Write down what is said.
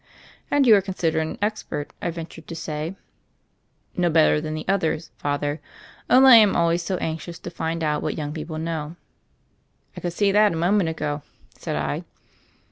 "And you are considered an expert." I ven tured to say. "No better than the others, Father; only I am always so anxious to find out what young people know." "I could see that a moment ago," said I.